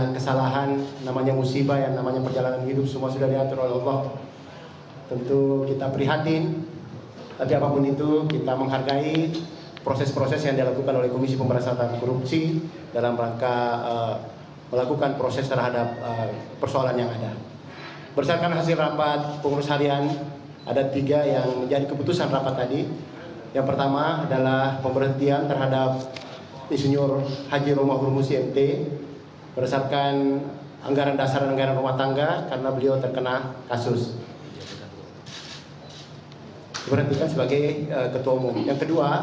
kepada pemerintah saya ingin mengucapkan terima kasih kepada pemerintah dan pemerintah pemerintah yang telah menonton